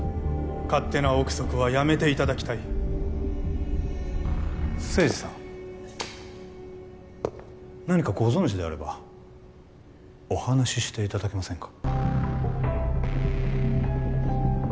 勝手な臆測はやめていただきたい清二さん何かご存じであればお話ししていただけませんか？